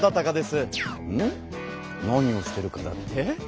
何をしてるかだって？